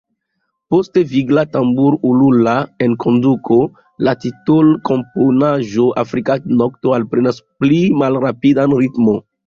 Post vigla tambur-ulula enkonduko, la titolkomponaĵo Afrika nokto alprenas pli malrapidan ritmon.